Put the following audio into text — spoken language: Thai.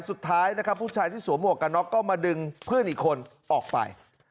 สุดท้ายนะครับผู้ชายที่สวมหวกกันน็อกก็มาดึงเพื่อนอีกคนออกไป